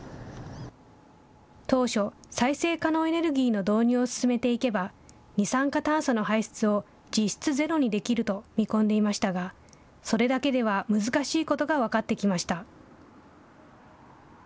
当初、再生可能エネルギーの導入を進めていけば、二酸化炭素の排出を実質ゼロにできると見込んでいましたが、それだけでは難しいことが分かってきました。